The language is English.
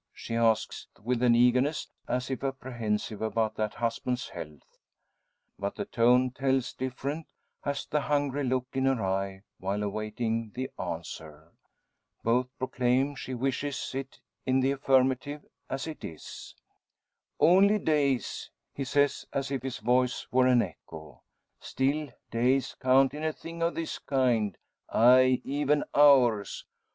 she asks, with an eagerness as if apprehensive about that husband's health. But the tone tells different, as the hungry look in her eye while awaiting the answer. Both proclaim she wishes it in the affirmative; as it is. "Only days!" he says, as if his voice were an echo. "Still days count in a thing of this kind aye, even hours.